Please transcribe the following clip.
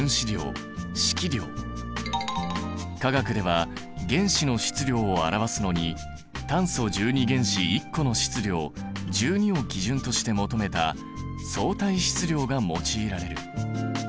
化学では原子の質量を表すのに炭素１２原子１個の質量１２を基準として求めた相対質量が用いられる。